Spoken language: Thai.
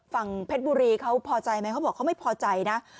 เพชรบุรีเขาพอใจไหมเขาบอกเขาไม่พอใจนะ